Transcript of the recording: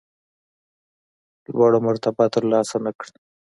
لوړه مرتبه ترلاسه نه کړه.